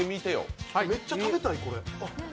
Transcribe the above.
めっちゃたべたい、これ。